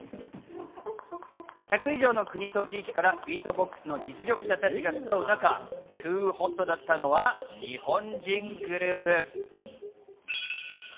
１００以上の国と地域からビートボックスの実力者たちが集う中、ＴｏｏｏｏｏｏｏＨＯＴ！だったのは日本人グループ。